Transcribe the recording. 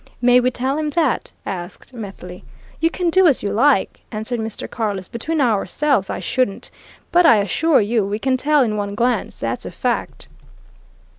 "May we tell him that?" asked Methley. "You can do as you like," answered Mr. Carless. "Between ourselves, I shouldn't! But I assure you we can tell in one glance! That's a fact!"